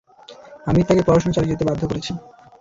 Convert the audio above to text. আমিই তাকে পড়াশোনা চালিয়ে যেতে বাধ্য করেছি।